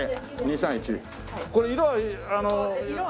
これ色は？